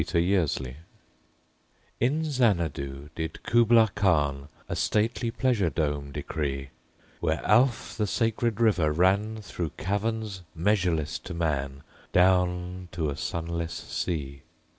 Y Z Kubla Khan IN Xanadu did Kubla Khan A stately pleasure dome decree: Where Alph, the sacred river, ran Through caverns measureless to man Down to a sunless sea.